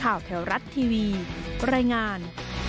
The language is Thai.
ข่าวแข่วรัฐทีวีรายงาน